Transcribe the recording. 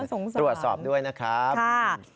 สงสารค่ะสงสารสงสารสงสาร